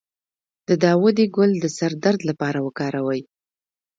د داودي ګل د سر درد لپاره وکاروئ